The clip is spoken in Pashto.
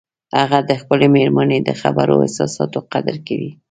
هغه د خپلې مېرمنې د خبرو او احساساتو قدر کوي